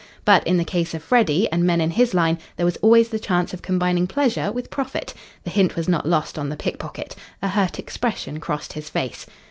But in the case of Freddy, and men in his line, there was always the chance of combining pleasure with profit. The hint was not lost on the pick pocket. A hurt expression crossed his face.